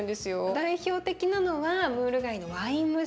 代表的なのはムール貝のワイン蒸し。